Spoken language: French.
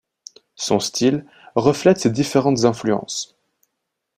Son style reflète ses différentes influences.